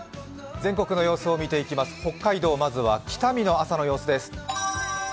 全国の様子を見ていきます、北海道、まずは北見の朝の様子です